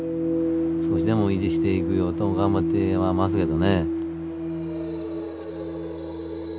少しでも維持していくようと頑張ってはますけどね。